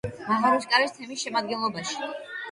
მაღაროსკარის თემის შემადგენლობაში.